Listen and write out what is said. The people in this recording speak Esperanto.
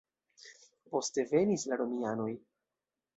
Poste venis la romianoj.